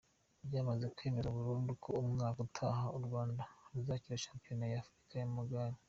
Byamaze kwemezwa burundu ko umwaka utaha u Rwanda ruzakira shampiyona ya Afurika y’Amagare.